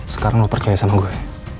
sekarang mau percaya sama gue